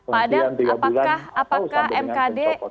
pak adang apakah mkd